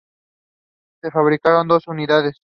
Se fabricaron doce unidades.